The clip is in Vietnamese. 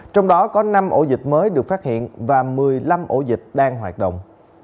trong đó có năm ổ dịch mới được phát hiện và một mươi năm ổ dịch đang hoạt động